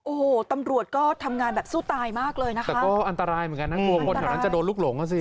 โอ้โหตำรวจก็ทำงานแบบสู้ตายมากเลยนะคะแต่ก็อันตรายเหมือนกันนะกลัวคนแถวนั้นจะโดนลูกหลงอ่ะสิ